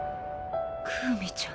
クウミちゃん。